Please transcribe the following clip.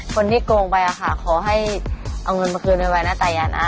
คนที่โกงไปอะขอให้เอาเงินมาคืนขึ้นไปนะตายาน